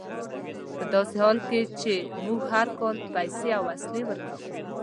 په داسې حال کې چې موږ هر کال پیسې او وسلې ورکوو.